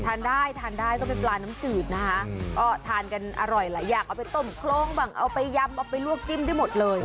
ทานได้ทานได้ก็เป็นปลาน้ำจืดนะคะก็ทานกันอร่อยหลายอย่างเอาไปต้มโครงบ้างเอาไปยำเอาไปลวกจิ้มได้หมดเลย